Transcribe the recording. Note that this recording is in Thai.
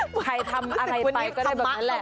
ใครทำอะไรไปก็ได้แบบนั้นแหละ